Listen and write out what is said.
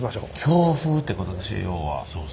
京風ってことでしょ要は。